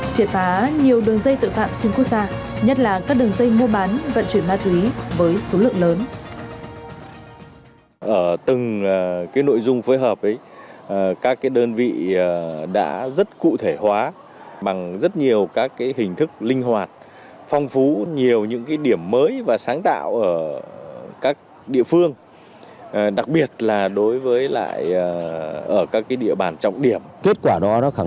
triệt phá nhiều đường dây tội phạm xuống quốc gia nhất là các đường dây mua bán